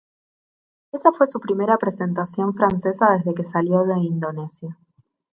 Esa fue su primera presentación francesa desde que salió de Indonesia.